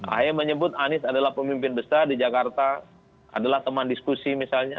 ahaya menyebut anies adalah pemimpin besar di jakarta adalah teman diskusi misalnya